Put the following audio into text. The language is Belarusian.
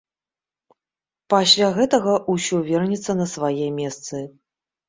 Пасля гэтага ўсё вернецца на свае месцы.